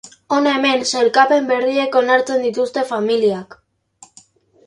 Hona hemen sailkapen berriek onartzen dituzte familiak.